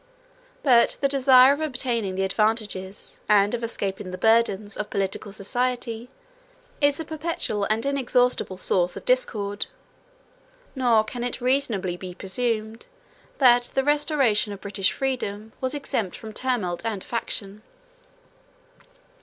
But the desire of obtaining the advantages, and of escaping the burdens, of political society, is a perpetual and inexhaustible source of discord; nor can it reasonably be presumed, that the restoration of British freedom was exempt from tumult and faction.